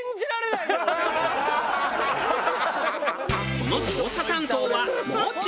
この調査担当はもう中。